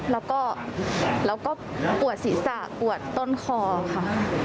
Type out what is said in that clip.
แล้วก็ปวดศีรษะปวดต้นคอค่ะ